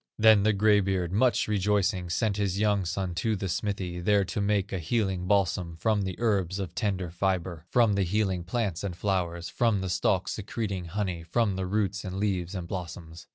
Then the gray beard, much rejoicing, Sent his young son to the smithy, There to make a healing balsam, From the herbs of tender fibre, From the healing plants and flowers, From the stalks secreting honey, From the roots, and leaves, and blossoms.